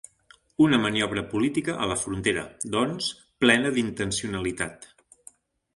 Una maniobra política a la frontera, doncs, plena d’intencionalitat.